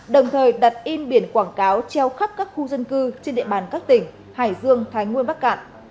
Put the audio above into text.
đồng thời đặt in biển quảng cáo treo khắp các khu dân cư trên địa bàn các tỉnh hải dương thái nguyên bắc cạn